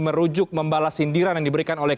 merujuk membalas sindiran yang diberikan oleh